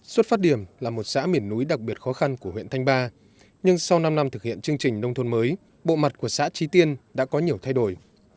xuất phát điểm là một xã miền núi đặc biệt khó khăn của huyện thanh ba nhưng sau năm năm thực hiện chương trình nông thôn mới bộ mặt của xã trí tiên đã có nhiều thay đổi